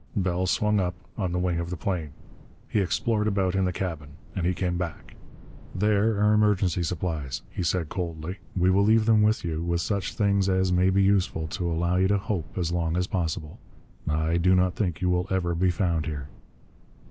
Bell swung up on the wing of the plane. He explored about in the cabin. He came back. "There are emergency supplies," he said coldly. "We will leave them with you, with such things as may be useful to allow you to hope as long as possible. I do not think you will ever be found here."